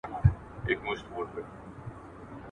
جغ پر غاړه، او جغ غواړه.